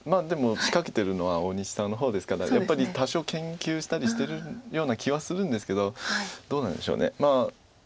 でも仕掛けてるのは大西さんの方ですからやっぱり多少研究したりしてるような気はするんですけどどうなんでしょう。